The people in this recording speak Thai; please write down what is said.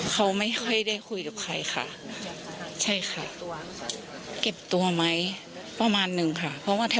เขาเสียงดังค่ะแล้วบางทีก็เปิดเพลินเสียงดังแมนกันเป็นกล่อโกนครับ